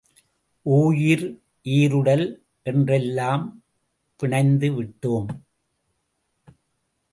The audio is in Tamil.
ஓயிர் ஈருடல் என்றெல்லாம் பிணைந்துவிட்டோம்.